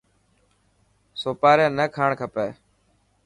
سوپاري نا کاڻ کپي.